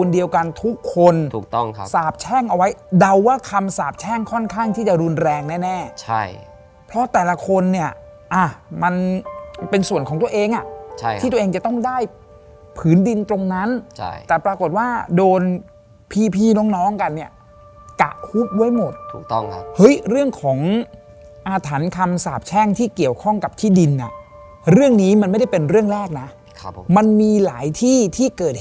เดาว่าคำสาบแช่งค่อนข้างที่จะรุนแรงแน่แน่ใช่เพราะแต่ละคนเนี้ยอ่ะมันเป็นส่วนของตัวเองอ่ะใช่ที่ตัวเองจะต้องได้ผืนดินตรงนั้นใช่แต่ปรากฏว่าโดนพีพีน้องน้องกันเนี้ยกะคุบไว้หมดถูกต้องครับเฮ้ยเรื่องของอาถรรพ์คำสาบแช่งที่เกี่ยวข้องกับที่ดินอ่ะเรื่องนี้มันไม่ได้เป็นเรื่องแร